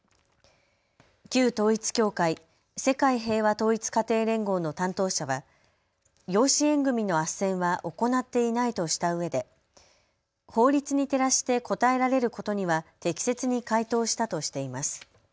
旧統一教会、世界平和統一家庭連合の担当者は養子縁組みのあっせんは行っていないとしたうえで法律に照らして答えられることには適切に回答したとしています。